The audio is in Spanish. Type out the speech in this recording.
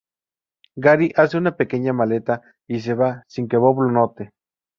Gary hace una pequeña maleta y se va, sin que Bob lo note.